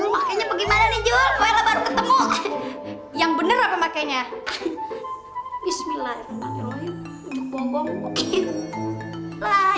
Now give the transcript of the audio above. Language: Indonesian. makanya bagaimana nih jumlah baru ketemu yang bener apa makanya bismillahirrahmanirrahim